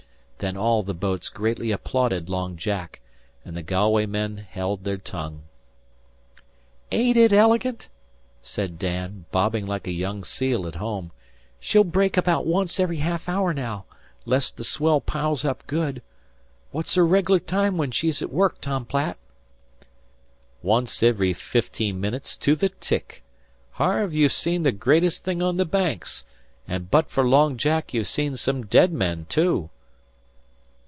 Then all the boats greatly applauded Long Jack, and the Galway men held their tongue. "Ain't it elegant?" said Dan, bobbing like a young seal at home. "She'll break about once every ha'af hour now, 'les the swell piles up good. What's her reg'lar time when she's at work, Tom Platt?" "Once ivry fifteen minutes, to the tick. Harve, you've seen the greatest thing on the Banks; an' but for Long Jack you'd seen some dead men too."